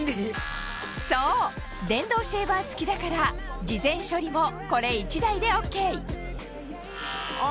そう電動シェーバー付きだから事前処理もこれ１台でＯＫあ